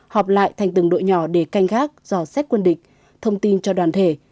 họp lại thành từng đội nhỏ để canh gác dò xét quân địch thông tin cho đoàn thể